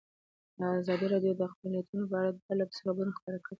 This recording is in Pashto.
ازادي راډیو د اقلیتونه په اړه پرله پسې خبرونه خپاره کړي.